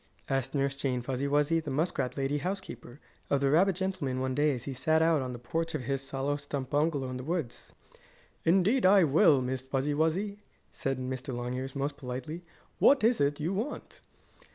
asked Nurse Jane Fuzzy Wuzzy, the muskrat lady housekeeper, of the rabbit gentleman one day, as he sat out on the porch of his hollow stump bungalow in the woods. "Indeed I will, Miss Fuzzy Wuzzy," said Mr. Longears, most politely. "What is it you want?"